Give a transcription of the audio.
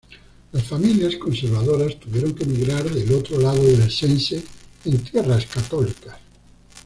Las familias conservadoras tuvieron que migrar del otro lado del Sense en tierras católicas.